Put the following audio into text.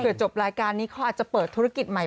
จบรายการนี้เขาอาจจะเปิดธุรกิจใหม่